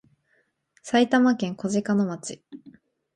埼玉県小鹿野町